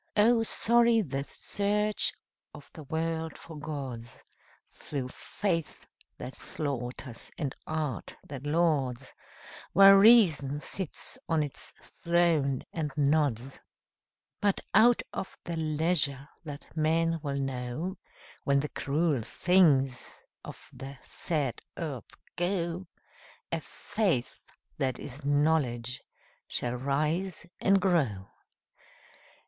Oh, sorry the search of the world for gods, Through faith that slaughters and art that lauds, While reason sits on its throne and nods. But out of the leisure that men will know, When the cruel things of the sad earth go, A Faith that is Knowledge shall rise and grow.